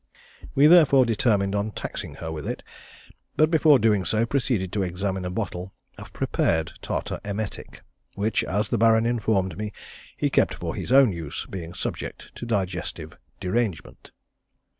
We therefore determined on taxing her with it; but before doing so, proceeded to examine a bottle of prepared tartar emetic, which, as the Baron informed me, he kept for his own use, being subject to digestive derangement.